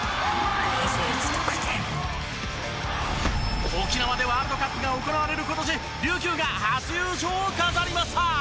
「２１得点」沖縄でワールドカップが行われる今年琉球が初優勝を飾りました！